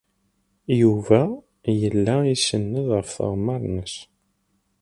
Yuba yella isenned ɣef tɣemmar-nnes.